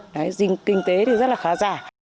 đấy kinh tế thì rất là khá già